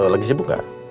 lagi sibuk gak